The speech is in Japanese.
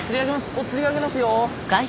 おっつり上げますよ。